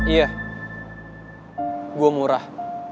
iya gue murah